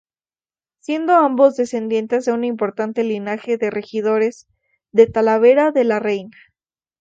Siendo ambos descendientes de un importante linaje de regidores de Talavera de la Reina.